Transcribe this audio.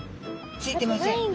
ついてません。